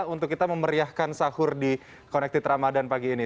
untuk kita memeriahkan sahur di connected ramadan pagi ini